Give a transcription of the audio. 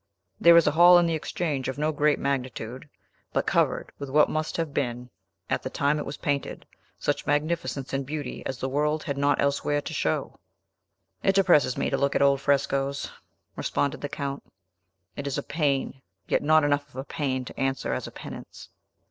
There is a hall in the Exchange, of no great magnitude, but covered with what must have been at the time it was painted such magnificence and beauty as the world had not elsewhere to show." "It depresses me to look at old frescos," responded the Count; "it is a pain, yet not enough of a pain to answer as a penance."